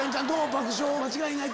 爆笑間違いない！